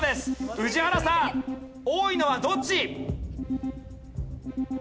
宇治原さん多いのはどっち？